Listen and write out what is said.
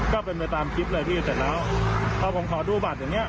ก็เป็นไปตามคลิปเลยพี่เสร็จแล้วพอผมขอดูบัตรอย่างเงี้